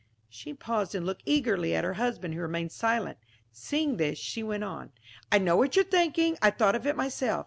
She paused and looked eagerly at her husband, who remained silent. Seeing this she went on: "I know what you're thinking. I thought of it myself.